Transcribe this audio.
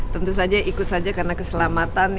tentu saja ikut saja karena keselamatan